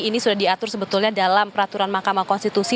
ini sudah diatur sebetulnya dalam peraturan mahkamah konstitusi